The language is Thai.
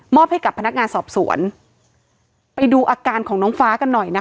ให้กับพนักงานสอบสวนไปดูอาการของน้องฟ้ากันหน่อยนะคะ